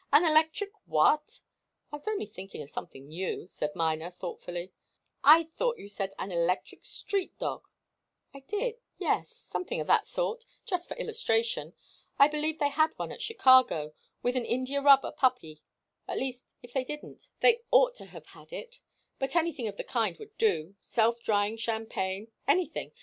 "An electric what?" "I was only thinking of something new," said Miner, thoughtfully. "I thought you said, an electric street dog " "I did yes. Something of that sort, just for illustration. I believe they had one at Chicago, with an india rubber puppy, at least, if they didn't, they ought to have had it, but anything of the kind would do self drying champagne anything!